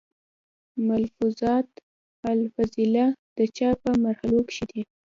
ملفوظات الافضلېه، د چاپ پۀ مرحلو کښې دی